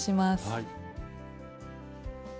はい。